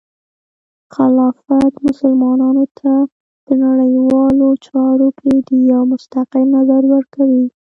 خلافت مسلمانانو ته د نړیوالو چارو کې د یو مستقل نظر ورکوي.